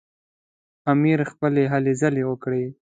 امیر خپلې هلې ځلې وکړې.